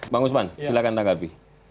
bang usman silahkan tanggapi